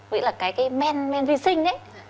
vậy là cái men vi sinh